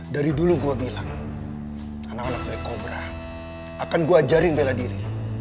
dari dulu gue bilang anak anak beli kobra akan gue ajarin bela diri